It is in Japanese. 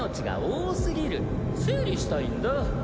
整理したいんだ。